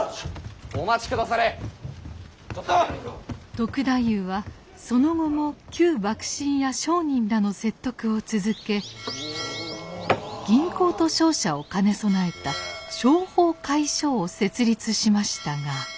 篤太夫はその後も旧幕臣や商人らの説得を続け銀行と商社を兼ね備えた商法會所を設立しましたが。